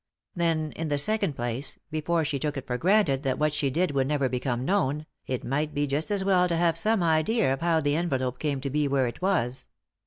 Then, in the second place, before she took it for granted that what she did would never become known, it might be just as well to have some idea of how the envelope came to be where it was.